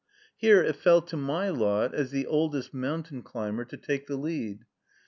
Here it fell to my lot, as the oldest mountain climber, to take the lead.